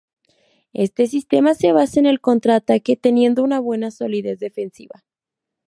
Este sistema se basa en el contraataque, teniendo una buena solidez defensiva.